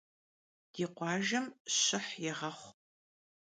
Di khuajjem şıh yêğexhu.